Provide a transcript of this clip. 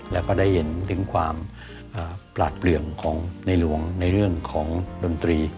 แล้วก็ได้เห็นถึงความปราดเปลืองของในหลวงในเรื่องของดนตรี